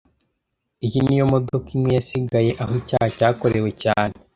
Iyi niyo modoka imwe yasigaye aho icyaha cyakorewe cyane